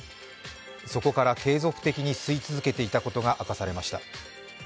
そこから継続的に吸い続けていたことが明かされました。